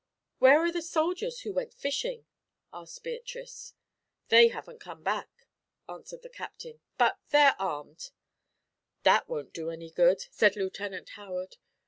"Where are the soldiers who went fishing?" asked Beatrice. "They haven't come back," answered the Captain; "but they're armed." "That won't do any good," said Lieutenant Howard.